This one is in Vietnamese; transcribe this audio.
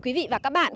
quý vị và các bạn